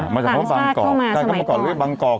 มาจากว่าบางกอกก็เรียกบางกอก